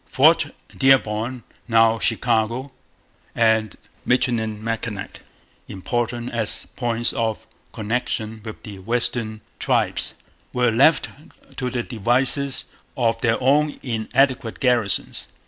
Fort Dearborn (now Chicago) and Michilimackinac, important as points of connection with the western tribes, were left to the devices of their own inadequate garrisons.